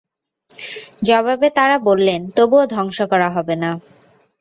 জবাবে তারা বললেনঃ তবুও ধ্বংস করা হবে না।